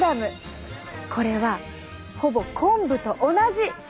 これはほぼ昆布と同じ！